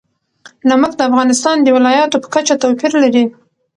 نمک د افغانستان د ولایاتو په کچه توپیر لري.